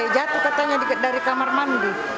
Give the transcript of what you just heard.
jatuh katanya dari kamar mandi